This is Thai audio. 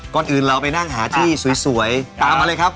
ก่อนอื่นเราไปนั่งหาที่สวยตามมาเลยครับ